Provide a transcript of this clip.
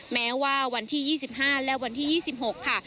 แม้ว่าวันที่๒๕และวันที่๒๖ค่ะ